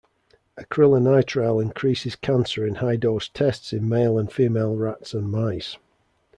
Acrylonitrile increases cancer in high dose tests in male and female rats and mice.